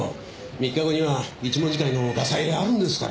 ３日後には一文字会のガサ入れあるんですから。